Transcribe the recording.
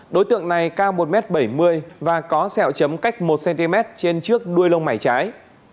đối tượng này cao một m bảy mươi và có sẹo chấm cách một cm trên trước đuôi lông mày trái